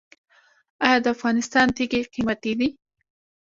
آیا د افغانستان تیږې قیمتي دي؟